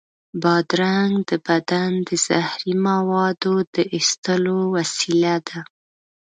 بادرنګ د بدن د زهري موادو د ایستلو وسیله ده.